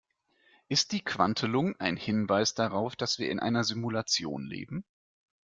Ist die Quantelung ein Hinweis darauf, dass wir in einer Simulation leben?